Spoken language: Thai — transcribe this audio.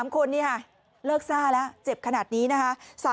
๓คนนี่ค่ะเลิกซ่าแล้วเจ็บขนาดนี้นะคะ